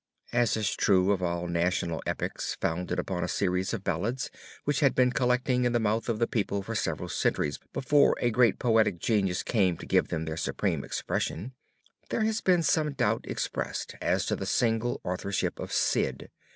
As is true of all the national epics founded upon a series of ballads which had been collecting in the mouth of the people for several centuries before a great poetic genius came to give them their supreme expression, there has been some doubt expressed as to the single authorship of Cid.